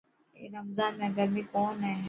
اي رمضان ۾ گرمي ڪون هي.